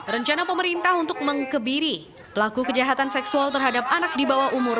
rencana pemerintah untuk mengkebiri pelaku kejahatan seksual terhadap anak di bawah umur